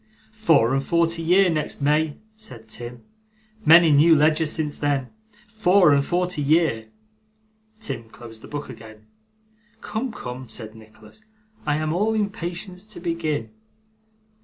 'Four and forty year, next May!' said Tim. 'Many new ledgers since then. Four and forty year!' Tim closed the book again. 'Come, come,' said Nicholas, 'I am all impatience to begin.